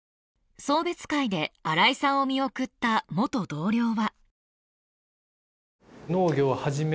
送別会で荒井さんを見送った元同僚は。